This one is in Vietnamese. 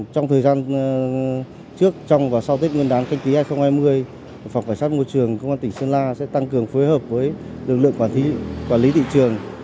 trong thời gian trước trong và sau tết nguyên đán kinh tế hai nghìn hai mươi phòng cảnh sát môi trường công an tỉnh sơn la sẽ tăng cường phối hợp với lực lượng quản lý thị trường